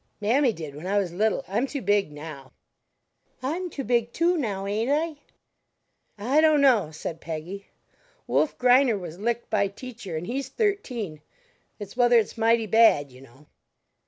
Mammy did when I was little. I'm too big now." "I'm too big, too, now, ain't I?" "I don't know," said Peggy. "Wulf Greiner was licked by teacher, and he's thirteen. It's whether it's mighty bad, you know."